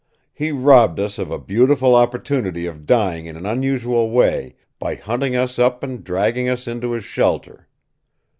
He robbed us of a beautiful opportunity of dying in an unusual way by hunting us up and dragging us into his shelter.